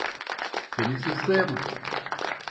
Seni suçlayamam.